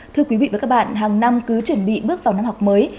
thưa quý vị và các bạn hàng năm cứ chuẩn bị bước vào năm học mới